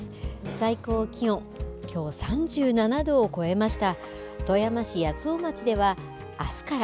最高気温きょうは３７度を超えました。